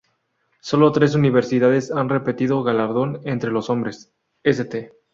Sólo tres universidades han repetido galardón entre los hombres, St.